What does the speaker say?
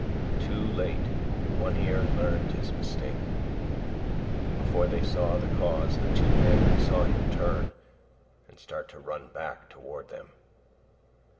Too late One Ear learned his mistake. Before they saw the cause, the two men saw him turn and start to run back toward them.